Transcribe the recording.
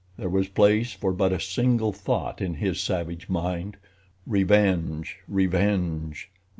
There was place for but a single thought in his savage mind—revenge! revenge!